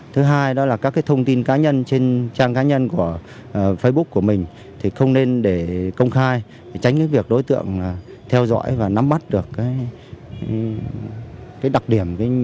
thứ hai là các thông tin cá nhân trên trang cá nhân của facebook của mình không nên để công khai tránh việc đối tượng theo dõi và nắm bắt được đặc điểm